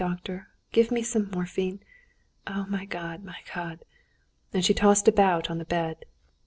Doctor, give me some morphine! Oh, my God, my God!" And she tossed about on the bed.